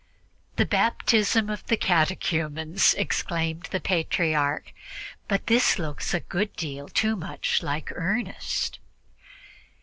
"The baptism of the catechumens!" exclaimed the Patriarch; "but this looks a good deal too much like earnest!"